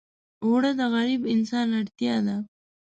اوړه د غریب انسان اړتیا ده